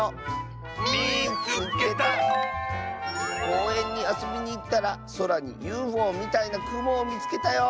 「こうえんにあそびにいったらそらにＵＦＯみたいなくもをみつけたよ」。